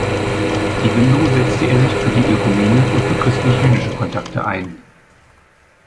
Ebenso setzte er sich für die Ökumene und für christlich-jüdische Kontakte ein.